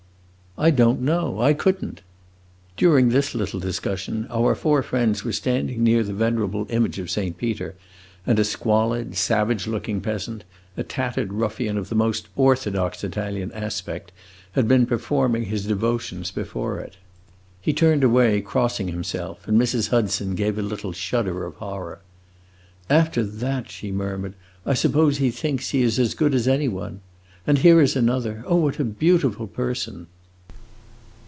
"I don't know; I could n't!" During this little discussion our four friends were standing near the venerable image of Saint Peter, and a squalid, savage looking peasant, a tattered ruffian of the most orthodox Italian aspect, had been performing his devotions before it. He turned away, crossing himself, and Mrs. Hudson gave a little shudder of horror. "After that," she murmured, "I suppose he thinks he is as good as any one! And here is another. Oh, what a beautiful person!"